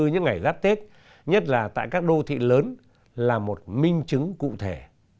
những ngày giáp tết nhất là tại các đô thị lớn là một minh chứng cụ thể